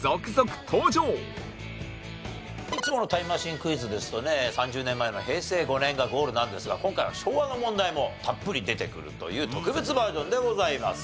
いつものタイムマシンクイズですとね３０年前の平成５年がゴールなんですが今回は昭和の問題もたっぷり出てくるという特別バージョンでございます。